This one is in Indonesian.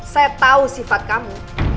saya tau sifat kamu